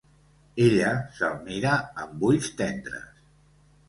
Ella se'l mira amb ulls tendres.